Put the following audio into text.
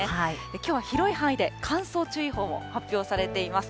きょうは広い範囲で乾燥注意報も発表されています。